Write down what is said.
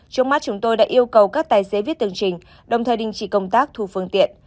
trước mắt chúng tôi đã yêu cầu các tài xế viết tường trình đồng thời đình chỉ công tác thu phương tiện